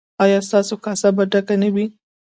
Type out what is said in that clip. ایا ستاسو کاسه به ډکه نه وي؟